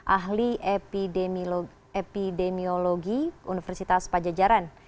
ahli epidemiologi universitas pajajaran